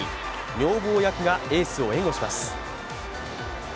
女房役がエースを援護します。